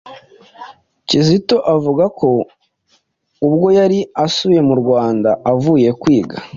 Kizito avuga ko ubwo yari asubiye mu Rwanda avuye kwiga